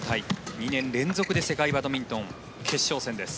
２年連続で世界バドミントン決勝戦です。